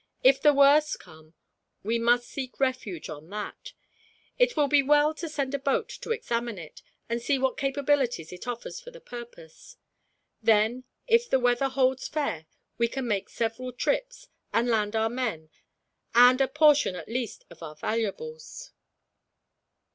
"If the worst come, we must seek refuge on that. It will be well to send a boat to examine it, and see what capabilities it offers for the purpose. Then if the weather holds fair we can make several trips, and land our men, and a portion at least of our valuables."